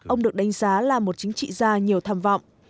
ông được đánh giá là một chính trị gia nhiều tham vọng